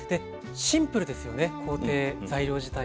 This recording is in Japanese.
シンプルですよね工程材料自体は。